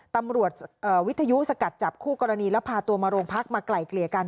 ตำรวจวิทยุสกัดจับคู่กรณีแล้วพาตัวมาโรงพักมาไกล่เกลี่ยกัน